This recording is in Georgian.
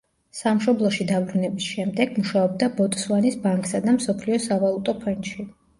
სამშობლოში დაბრუნების შემდეგ მუშაობდა ბოტსვანის ბანკსა და მსოფლიო სავალუტო ფონდში.